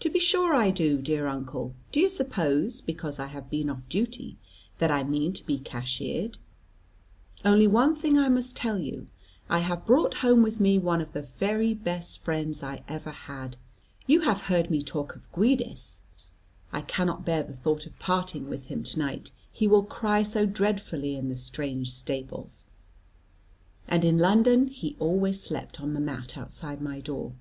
"To be sure I do, dear uncle; do you suppose, because I have been off duty, that I mean to be cashiered? Only one thing I must tell you; I have brought home with me one of the very best friends I ever had. You have heard me talk of Giudice. I cannot bear the thought of parting with him to night, he will cry so dreadfully in the strange stables; and in London he always slept on the mat outside my door.